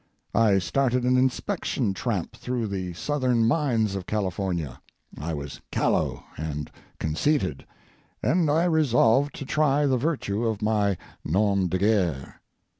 I started an inspection tramp through the southern mines of California. I was callow and conceited, and I resolved to try the virtue of my 'nom de guerre'.